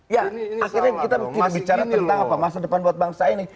ya akhirnya kita tidak bicara tentang apa masa depan buat bangsa ini